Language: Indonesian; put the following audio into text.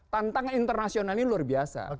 tantangan internasional ini luar biasa